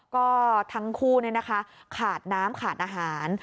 ก็ทั้งคู่นี่นะคะขาดน้ำขาดอาหาร